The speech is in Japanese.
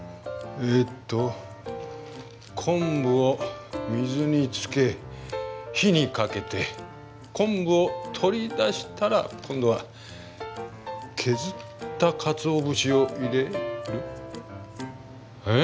えっと昆布を水につけ火にかけて昆布を取り出したら今度は削ったかつお節を入れる？え？